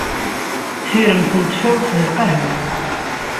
Tirmt n tfawt d lqhwa.